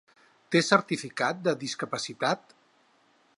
Té certificat de discapacitat?